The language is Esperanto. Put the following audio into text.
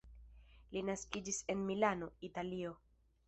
Li naskiĝis en Milano, Italio.